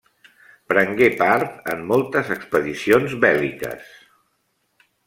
Prengué part en moltes expedicions bèl·liques.